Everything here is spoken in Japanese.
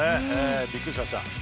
びっくりしました。